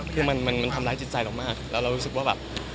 คือมันทำร้ายจิตใจเรามากแล้วเรารู้สึกว่าแบบ